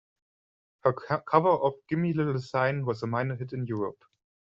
Her cover of "Gimme Little Sign" was a minor hit in Europe.